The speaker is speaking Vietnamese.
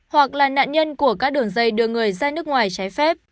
hoặc là nạn nhân của các đường dây đưa người ra nước ngoài trái phép